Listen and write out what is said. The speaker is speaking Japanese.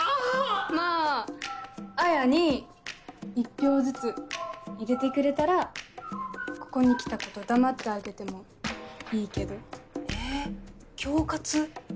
まぁ文に１票ずつ入れてくれたらここに来たこと黙ってあげてもいいけどえぇ恐喝？